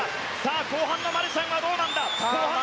後半のマルシャンはどうなんだ。